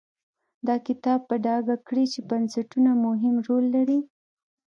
دا کتاب به په ډاګه کړي چې بنسټونه مهم رول لري.